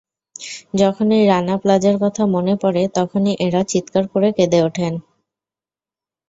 যখনই রানা প্লাজার কথা মনে পড়ে, তখনই এঁরা চিৎকার করে কেঁদে ওঠেন।